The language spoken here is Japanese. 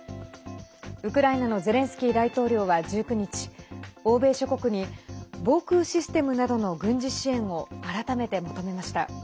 ウクライナのゼレンスキー大統領は１９日欧米諸国に防空システムなどの軍事支援を改めて求めました。